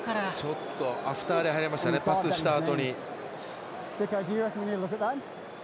ちょっとアフターで入りましたね、パスしたあとに。